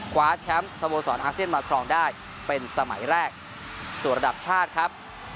คว้าแชมป์สโมสรอาเซียนมาครองได้เป็นสมัยแรกส่วนระดับชาติครับ